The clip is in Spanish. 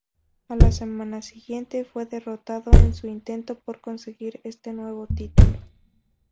A la semana siguiente, fue derrotado en su intento por conseguir este nuevo título.